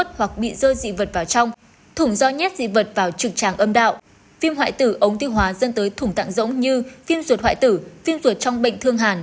thủng do ống nội soi tiêu hóa